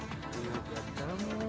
bunga buat kamu